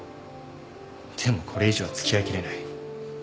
でもこれ以上は付き合いきれない。